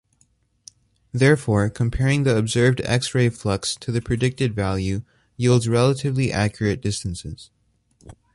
Therefore, comparing the observed X-ray flux to the predicted value yields relatively accurate distances.